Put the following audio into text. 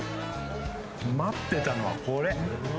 待ってたのはこれ。